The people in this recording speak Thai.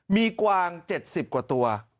มีกวาง๗๐กว่าตัว